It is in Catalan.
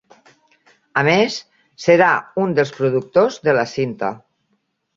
A més, serà un dels productors de la cinta.